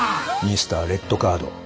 ミスター・レッドカード。